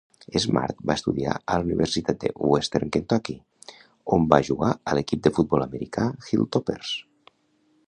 Smart va estudiar a la Universitat de Western Kentucky, on va jugar a l'equip de futbol americà Hilltoppers.